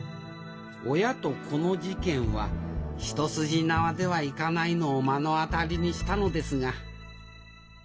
親と子の事件は一筋縄ではいかないのを目の当たりにしたのですが。